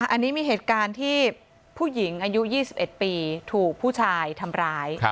อันนี้มีเหตุการณ์ที่ผู้หญิงอายุ๒๑ปีถูกผู้ชายทำร้าย